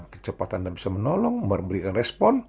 kecepatan anda bisa menolong memberikan respon